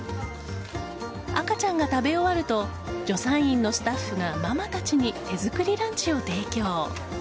赤ちゃんが食べ終わると助産院のスタッフがママたちに手作りランチを提供。